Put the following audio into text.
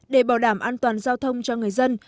để bảo đảm an toàn giao thông cho người dân